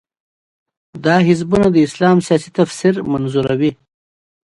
دا حزبونه د اسلام سیاسي تفسیر منظوروي.